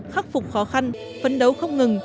khắc phục khó khăn phấn đấu không ngừng